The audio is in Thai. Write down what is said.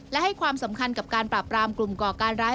และให้ความสำคัญกับการปราบรามกลุ่มก่อการร้าย